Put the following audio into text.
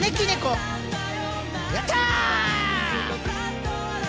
やった！